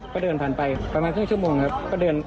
ก็เดินผ่านไปประมาณครึ่งชั่วโมงครับ